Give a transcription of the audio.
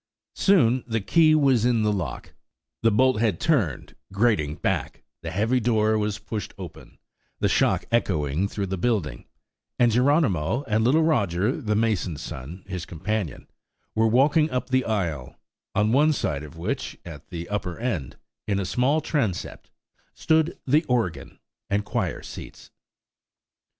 Soon the key was in the lock, the bolt had turned, grating, back; the heavy door was pushed open, the shock echoing through the building; and Geronimo and little Roger, the mason's son, his companion, were walking up the aisle; on one side of which, at the upper end, in a small transept, stood the organ and choir seats.